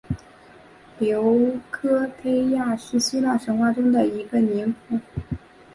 琉科忒亚是希腊神话中一个宁芙。